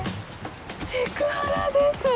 セクハラです。